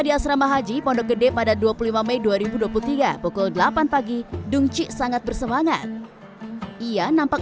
di asrama haji pondok gede pada dua puluh lima mei dua ribu dua puluh tiga pukul delapan pagi dungci sangat bersemangat ia nampak